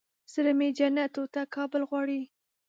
زړه مې جنت ټوټه کابل غواړي